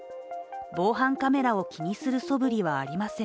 防犯カメラを気にするそぶりはありません。